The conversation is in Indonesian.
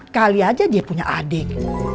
kali aja dia punya adik